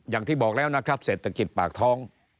อย่างที่บอกแล้วนะครับเศรษฐกิจปากท้อง